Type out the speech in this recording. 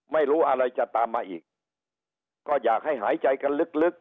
ไม่รู้อะไรจะตามมาอีกก็อยากให้หายใจกันลึก